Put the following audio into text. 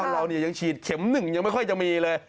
เรายังฉีดเข็ม๑ยังไม่ค่อยจะมีเลย